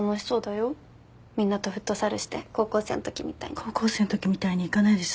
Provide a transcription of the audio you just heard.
高校生のときみたいにはいかないでしょ。